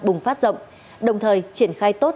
bùng phát rộng đồng thời triển khai tốt